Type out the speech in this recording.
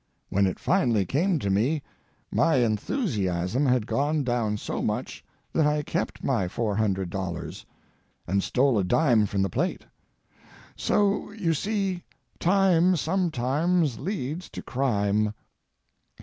When it finally came to me, my enthusiasm had gone down so much that I kept my four hundred dollars—and stole a dime from the plate. So, you see, time sometimes leads to crime.